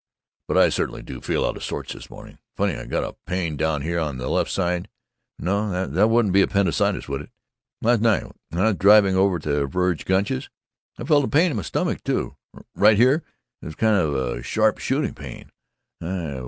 But I certainly do feel out of sorts, this morning. Funny, got a pain down here on the left side but no, that wouldn't be appendicitis, would it? Last night, when I was driving over to Verg Gunch's, I felt a pain in my stomach, too. Right here it was kind of a sharp shooting pain.